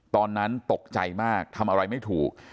ตอนนั้นตกใจมากทำอะไรไม่ถูก